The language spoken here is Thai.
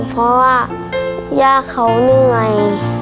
เพราะว่าย่าเขาเหนื่อย